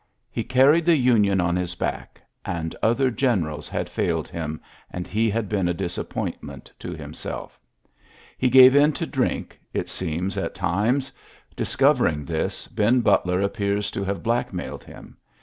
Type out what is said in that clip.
He carried the Union on his back; and other generals had £Edled him^ and he had been a disapi>ointment to himsell He gave in to drink, it seems, at times. Discovering this, Ben Butler appears to have blackmailed him.